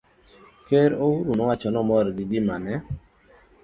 Ker Uhuru ne owacho ni ne omor gi gima ne